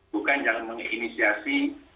bukan yang menginisiasi